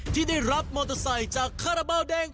ที่ได้รับมอเตอร์ไซค์จากคาราบาลแดง